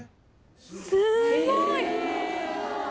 すごい！